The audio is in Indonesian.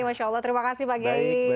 masya allah terima kasih pak gendi